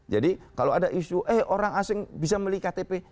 jadi kalau ada isu eh orang asing bisa memiliki ktp